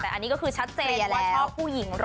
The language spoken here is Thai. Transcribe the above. แต่อันนี้ก็คือชัดเจนว่าชอบผู้หญิงรอ